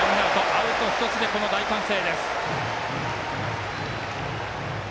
アウト１つで、この大歓声です。